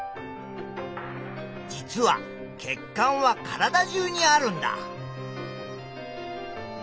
実は血管は体中にあるんだ。